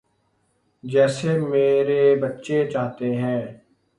جیسے میرے بچے چاہتے ہیں۔